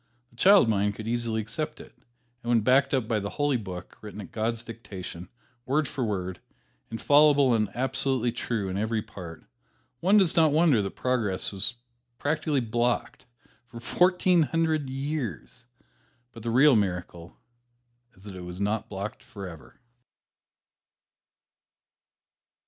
The child mind could easily accept it, and when backed up by the Holy Book, written at God's dictation, word for word, infallible and absolutely true in every part, one does not wonder that progress was practically blocked for fourteen hundred years, but the real miracle is that it was not blocked forever.